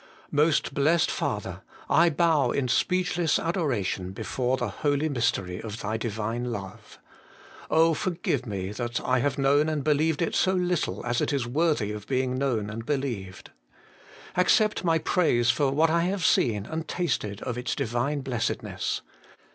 Most Blessed Father ! I bow in speechless adoration before the holy mystery of Thy Divine Love. ... Oh, forgive me, that I have known and believed it so little as it is worthy of being known and believed. Accept my praise for what I have seen and tasted of its Divine blessedness.